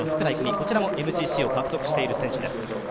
こちらもＭＧＣを獲得している選手です。